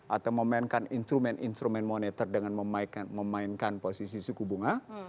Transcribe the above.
atau memainkan instrumen instrumen moneter dengan memainkan posisi suku bunga